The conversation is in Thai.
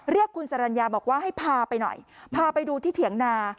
เรียกคุณสรรญาบอกว่าให้พาไปหน่อยพาไปดูที่เถียงนา